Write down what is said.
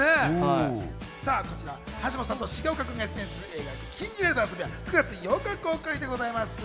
こちら橋本さんと重岡君が出演する映画『禁じられた遊び』は９月８日公開でございます。